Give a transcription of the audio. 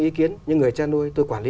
ý kiến như người cha nuôi tôi quản lý